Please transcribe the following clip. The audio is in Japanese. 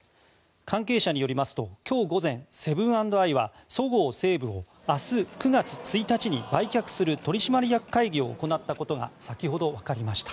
関係者によりますと今日午前、セブン＆アイはそごう・西武を明日９月１日に売却する取締役会議を行ったことが先ほどわかりました。